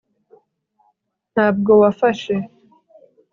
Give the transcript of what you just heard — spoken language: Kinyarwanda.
ntabwo wafashe